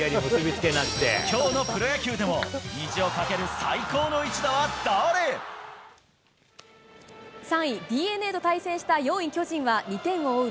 きょうのプロ野球でも、３位ＤｅＮＡと対戦した４位巨人は、２点を追う